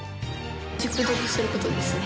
熟読する事ですね。